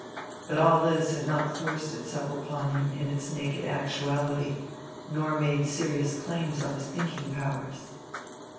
But all this had not yet forced itself upon him in its naked actuality, nor made serious claims on his thinking powers.